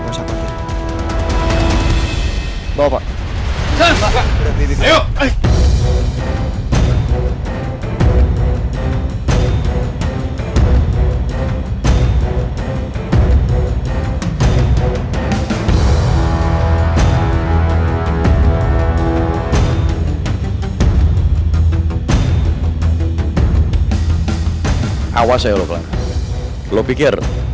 gak usah pake